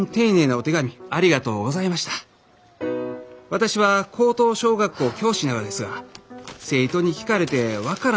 私は高等小学校教師なのですが生徒に聞かれて分からん植物があります